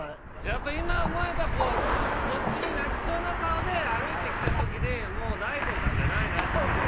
やっぱり今思えばこっちに泣きそうな顔で歩いてきた時でもう大悟さんじゃないなって。